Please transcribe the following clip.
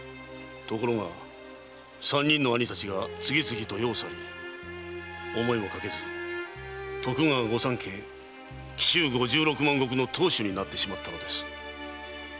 ところが三人の兄たちが次々と世を去り思いもかけず徳川御三家・紀州五十六万石の当主になってしまったのです。